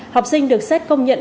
học sinh được xét công nhận